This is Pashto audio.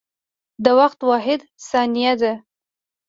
د وخت واحد ثانیه ده.